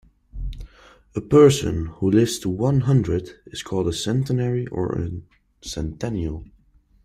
A person who lives to one hundred is called a centenary or centennial.